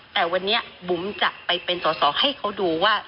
แต่วันนี้บุ๋มจะไปเป็นสอสอให้เขาดูว่า